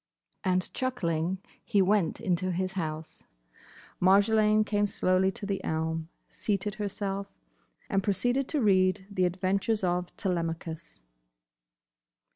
And chuckling he went into his house. Marjolaine came slowly to the elm, seated herself, and proceeded to read the "Adventures of Telemachus."